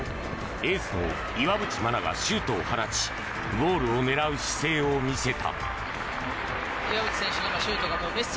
エースの岩渕真奈がシュートを放ちゴールを狙う姿勢を見せた。